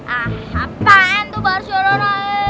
ah apaan tuh barcelona